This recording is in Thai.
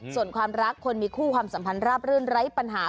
ส่วนความรักคนมีคู่ความสัมพันธ์ราบรื่นไร้ปัญหา